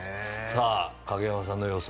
影山さんの予想